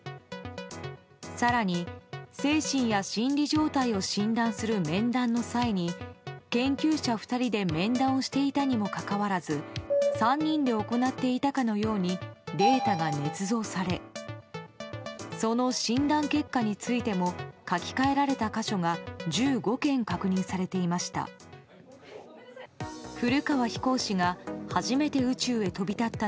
更に精神や心理状態を診断する面談の際に研究者２人で面談していたにもかかわらず３人で行っていたかのようにデータがねつ造されその診断結果についても書き換えられた箇所が１５件確認されていました。